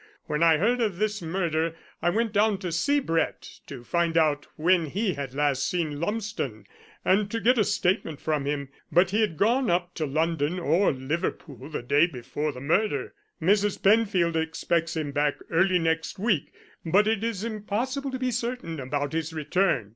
When I heard of this murder I went down to see Brett to find out when he had last seen Lumsden, and to get a statement from him. But he had gone up to London or Liverpool the day before the murder. Mrs. Penfield expects him back early next week, but it is impossible to be certain about his return.